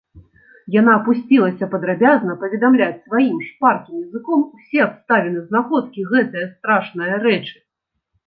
Яна пусцілася падрабязна паведамляць сваім шпаркім языком усе абставіны знаходкі гэтае страшнае рэчы.